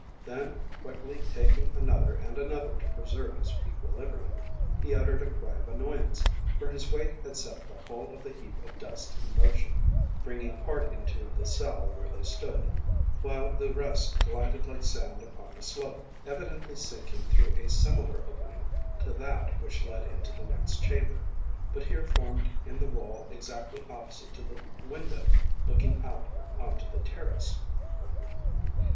Then quickly taking another and another to preserve his equilibrium, he uttered a cry of annoyance, for his weight had set the whole of the heap of dust in motion, bringing part into the cell where they stood, while the rest glided like sand upon a slope, evidently sinking through a similar opening to that which led into the next chamber, but here formed in the wall exactly opposite to the window looking out on to the terrace.